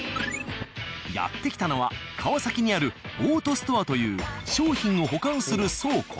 やって来たのは川崎にある「オートストア」という商品を保管する倉庫。